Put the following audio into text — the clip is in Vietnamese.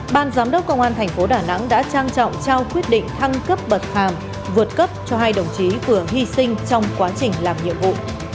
ban giám đốc công an thành phố đà nẵng đã trang trọng trao quyết định thăng cấp bậc hàm vượt cấp cho hai đồng chí vừa hy sinh trong quá trình làm nhiệm vụ